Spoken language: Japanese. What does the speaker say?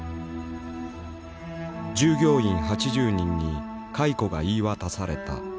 従業員８０人に解雇が言い渡された。